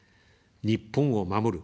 日本を守る。